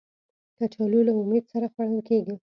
کچالو له امید سره خوړل کېږي